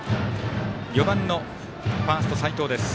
４番のファースト、齋藤です。